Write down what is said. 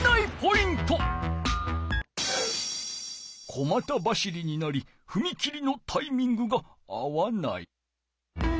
小また走りになりふみ切りのタイミングが合わない。